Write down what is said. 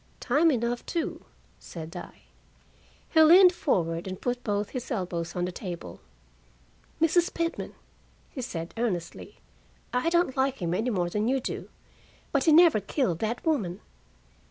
"Time enough, too," said I. He leaned forward and put both his elbows on the table. "Mrs. Pitman," he said earnestly, "I don't like him any more than you do. But he never killed that woman."